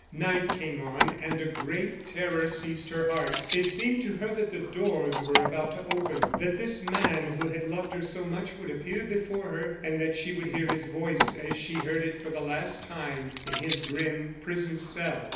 Night came on and a great terror seized her heart. It seemed to her that the doors were about to open, that this man who had loved her so much would appear before her, and that she would hear his voice as she heard it for the last time in his grim prison cell.